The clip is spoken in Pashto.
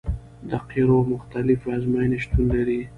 د قیرو مختلفې ازموینې شتون لري